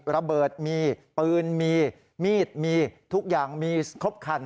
ระเบิดมีปืนมีมีดมีทุกอย่างมีครบคัน